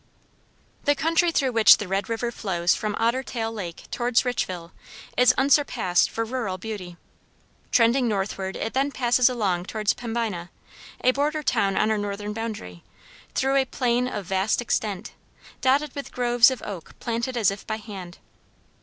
The country through which the Red river flows from Otter Tail lake towards Richville, is unsurpassed for rural beauty. Trending northward it then passes along towards Pembina, a border town on our northern boundary, through a plain of vast extent, dotted with groves of oak planted as if by hand.